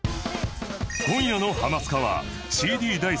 今夜の『ハマスカ』は ＣＤ 大好き